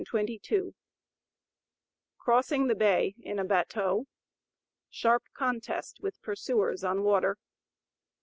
CROSSING THE BAY IN A BATTEAU. SHARP CONTEST WITH PURSUERS ON WATER.